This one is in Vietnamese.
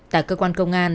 tại cơ quan công an